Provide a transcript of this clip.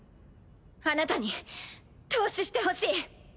あなたに投資してほしい。